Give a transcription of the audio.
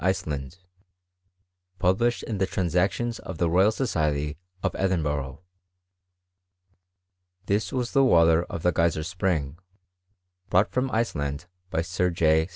Iceland,'' published in thB Transactions of the Royal Society of Edinburgh. TUl was the water of the Geyser spring, brought from Ice land by Sir J.